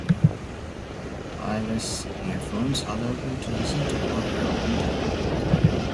Wireless earphones allow you to listen to audio untethered.